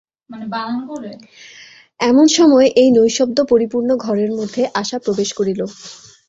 এমন সময় এই নৈঃশব্দ্যপরিপূর্ণ ঘরের মধ্যে আশা প্রবেশ করিল।